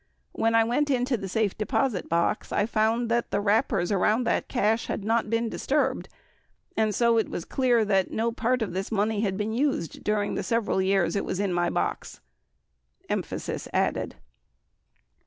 When I went into the safe deposit box, I found that the wrappers around that cash had not been disturbed, and so it was dear that no part of this money had been used during the several years it was in my box. 66 [Emphasis added.